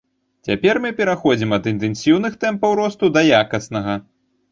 Цяпер мы пераходзім ад інтэнсіўных тэмпаў росту да якаснага.